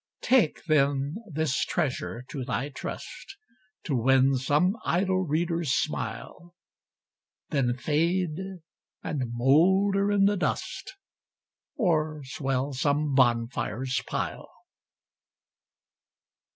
Take, then, this treasure to thy trust, To win some idle reader's smile, Then fade and moulder in the dust, Or swell some bonfire's pile.